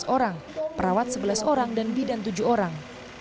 tujuh belas orang perawat sebelas orang dan bidan tujuh orang